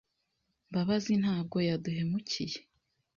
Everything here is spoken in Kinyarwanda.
Mbabazi ntabwo yaduhemukiye.